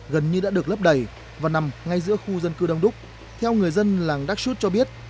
gần như đã được lấp đầy và nằm ngay giữa khu dân cư đông đúc theo người dân làng đắc sút cho biết